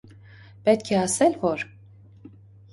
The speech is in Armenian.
պետք է ասել, որ…